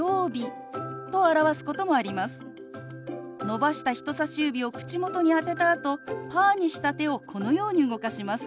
伸ばした人さし指を口元に当てたあとパーにした手をこのように動かします。